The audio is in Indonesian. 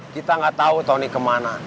kita gak tau tony kemana